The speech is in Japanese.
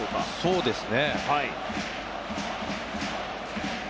そうですね。